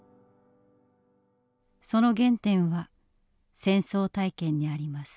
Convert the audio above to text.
その原点は戦争体験にあります。